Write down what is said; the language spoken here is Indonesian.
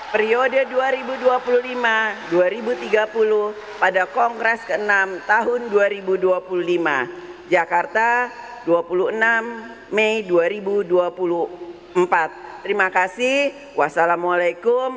periode dua ribu dua puluh lima dua ribu tiga puluh pada kongres ke enam tahun dua ribu dua puluh lima jakarta dua puluh enam mei dua ribu dua puluh empat terima kasih wassalamualaikum